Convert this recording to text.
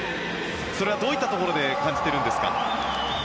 それはどういったところで感じているんですか？